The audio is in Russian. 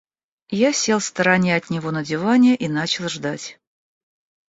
Я сел в стороне от него на диване и начал ждать.